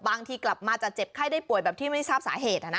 บางทีกลับมาจะเจ็บไข้ได้ป่วยแบบที่ไม่ทราบสาเหตุ